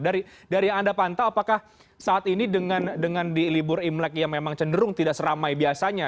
dari yang anda pantau apakah saat ini dengan di libur imlek yang memang cenderung tidak seramai biasanya